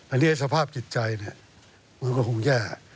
อันนี้สภาพจิตใจเนี่ยมันก็คงแย่